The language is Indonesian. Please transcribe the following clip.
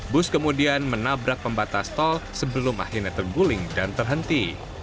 bus kemudian menabrak pembatas tol sebelum akhirnya terguling dan terhenti